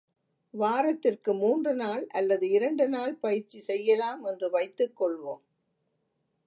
வாரத்திற்கு மூன்று நாள் அல்லது, இரண்டு நாள் பயிற்சி செய்யலாம் என்று வைத்துக் கொள்வோம்.